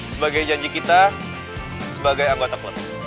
sebagai janji kita sebagai anggota klub